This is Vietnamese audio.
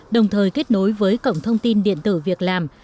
đồng thời kết nối với cổng thông tin điện tử việc làm